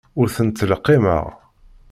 Ur ten-ttleqqimeɣ.